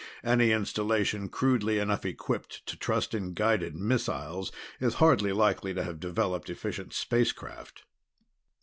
Any installation crudely enough equipped to trust in guided missiles is hardly likely to have developed efficient space craft."